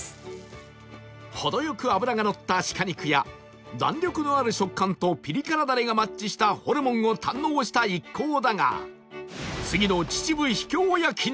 程良く脂が乗った鹿肉や弾力のある食感とピリ辛ダレがマッチしたホルモンを堪能した一行だが